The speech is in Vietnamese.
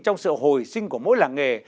trong sự hồi sinh của mỗi làng nghề